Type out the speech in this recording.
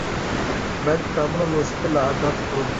باید کتابونه لوستل عادت کړو.